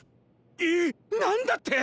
えっなんだって！？